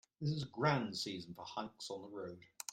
This is a grand season for hikes on the road.